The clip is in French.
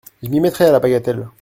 Je m’y mettrai à la bagatelle…